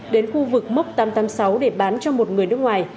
đến khu vực mốc tám trăm tám mươi sáu để bán cho một người nước ngoài